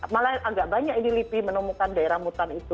malah agak banyak ini lipi menemukan daerah mutan itu